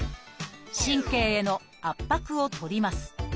神経への圧迫を取ります。